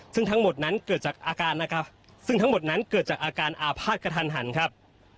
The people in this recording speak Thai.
ซึ่งทั้งหมดนั้นเกิดจากอาการอาภาษณ์กระทันหันครับ